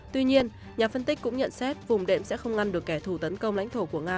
tuy nhiên nhà phân tích cũng nhận xét vùng đệm sẽ không ngăn được kẻ thù tấn công lãnh thổ của nga